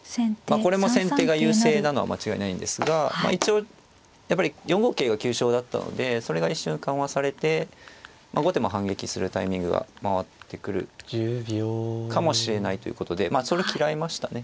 これも先手が優勢なのは間違いないんですが一応やっぱり４五桂が急所だったのでそれが一瞬緩和されて後手も反撃するタイミングが回ってくるかもしれないということでそれ嫌いましたね